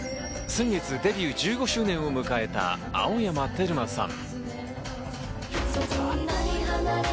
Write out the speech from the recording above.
先月、デビュー１５周年を迎えた青山テルマさん。